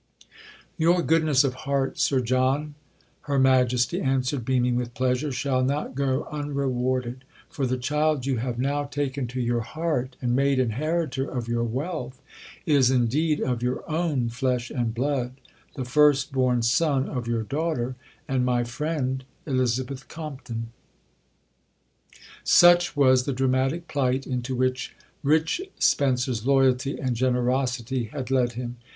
"Your goodness of heart, Sir John," Her Majesty answered, beaming with pleasure, "shall not go unrewarded; for the child you have now taken to your heart and made inheritor of your wealth is indeed of your own flesh and blood the first born son of your daughter, and my friend, Elizabeth Compton." Such was the dramatic plight into which "Rich Spencer's" loyalty and generosity had led him.